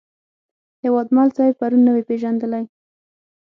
هیوادمل صاحب پرون نه وې پېژندلی.